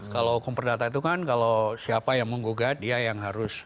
kalau hukum perdata itu kan kalau siapa yang menggugat dia yang harus